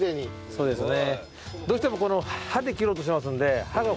そうですね。